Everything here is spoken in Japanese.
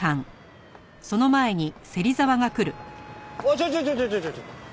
ちょちょちょちょちょちょ。